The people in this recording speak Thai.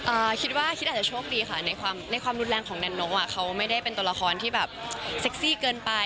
คิดว่าคิดอาจจะโชคดีค่ะในความในความรุนแรงของแนนกอ่ะเขาไม่ได้เป็นตัวละครที่แบบเซ็กซี่เกินไป